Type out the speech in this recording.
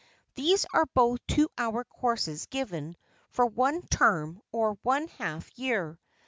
These are both two hour courses given for one term or one half year.